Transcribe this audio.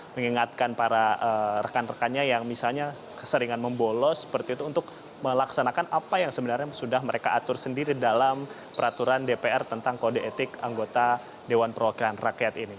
mengingatkan para rekan rekannya yang misalnya keseringan membolos seperti itu untuk melaksanakan apa yang sebenarnya sudah mereka atur sendiri dalam peraturan dpr tentang kode etik anggota dewan perwakilan rakyat ini